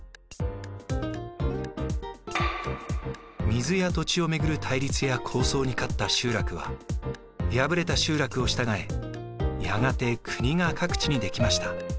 水や土地を巡る対立や抗争に勝った集落は敗れた集落を従えやがて国が各地に出来ました。